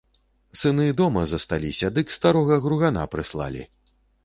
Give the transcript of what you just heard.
Сыны дома засталіся, дык старога гругана прыслалі!